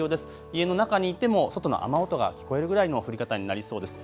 家の中にいても外の雨音が聞こえるぐらいの降り方になりそうです。